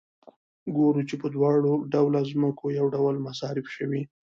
ګورو چې په دواړه ډوله ځمکو یو ډول مصارف شوي